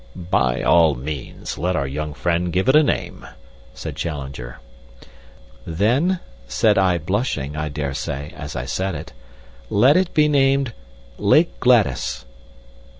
"By all means. Let our young friend give it a name," said Challenger. "Then," said I, blushing, I dare say, as I said it, "let it be named Lake Gladys."